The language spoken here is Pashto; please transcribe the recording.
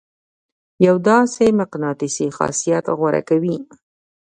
يو داسې مقناطيسي خاصيت غوره کوي.